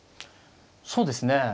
そうですね。